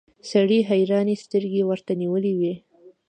سړي حيرانې سترګې ورته نيولې وې.